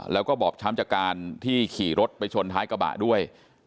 แล้วก็บอบช้ำจากการที่ขี่รถไปชนท้ายกระบะด้วย